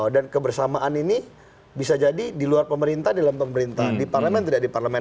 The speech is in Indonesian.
dan kebersamaan ini bisa jadi di luar pemerintah di dalam pemerintah di parlemen tidak di parlemen